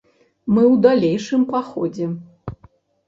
Мы ў далейшым паходзе.